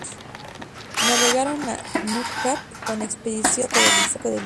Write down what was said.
Navegaron a Nutka con la expedición de Francisco de Eliza.